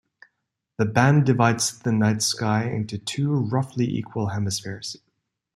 The band divides the night sky into two roughly equal hemispheres.